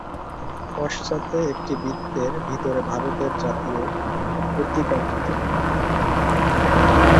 পশ্চাতে একটি বৃত্তের ভিতরে ভারতের জাতীয় প্রতীক অঙ্কিত।